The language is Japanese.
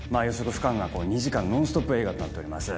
不可能な２時間ノンストップ映画となっております